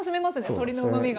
鶏のうまみが。